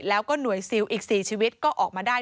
แล้วก็หน่วยซิลอีก๔ชีวิตก็ออกมาได้